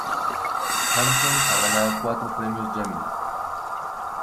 Hanson ha ganado cuatro Premios Gemini.